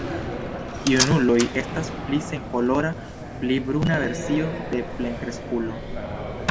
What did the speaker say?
Junuloj estas pli senkolora, pli bruna versio de plenkreskulo.